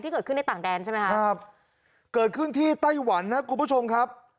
เกิดขึ้นในต่างแดนใช่ไหมครับเกิดขึ้นที่ไต้หวันนะคุณผู้ชมครับ